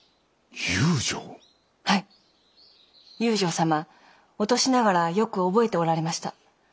祐乗様お年ながらよく覚えておられました。